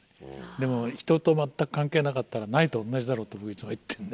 でも人と全く関係なかったらないと同じだろって僕いつも言ってんだよね。